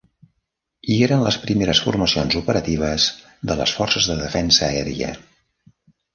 Hi eren les primeres formacions operatives de les Forces de Defensa Aèria.